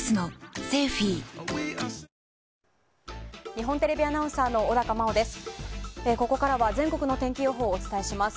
日本テレビアナウンサーの小高茉緒です。